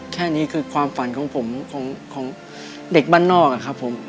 แค่นี้คือความฝันของผมของเด็กบ้านนอกอะครับผม